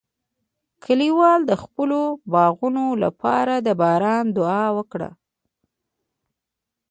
کلیوال د خپلو باغونو لپاره د باران دعا وکړه.